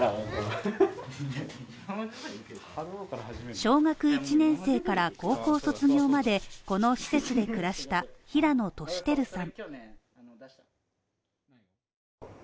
小学１年生から高校卒業までこの施設で暮らした平野寿輝さん